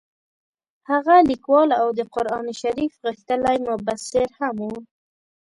هغه لیکوال او د قران شریف غښتلی مبصر هم وو.